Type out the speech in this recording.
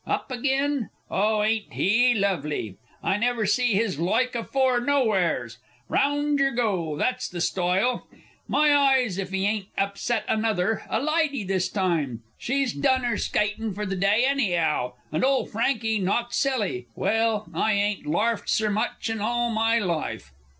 Up agin! Oh, ain't he lovely! I never see his loike afore nowheres.... Round yer go that's the stoyle! My eyes, if he ain't upset another a lydy this time she's done 'er skytin fur the d'y any 'ow! and ole Frank knocked silly.... Well, I ain't larfed ser much in all my life!